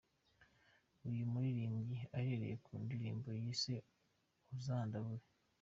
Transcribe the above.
Uyu muririmbyi ahereye ku ndirimbo yise ’Uzandabure’.